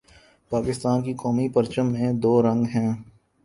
پاکستان کے قومی پرچم میں دو رنگ ہیں